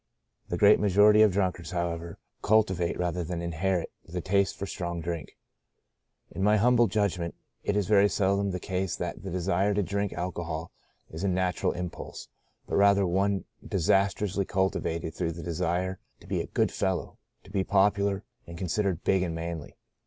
The great majority of drunkards, however, culti vate, rather than inherit, the taste for strong drink. In my humble judgment, it is very By a Great Deliverance 1 53 seldom the case that the desire to drink alcohol is a natural impulse, but rather one disastrously cultivated through the desire to be a ' good fellow '— to be popular — and con sidered big and manly.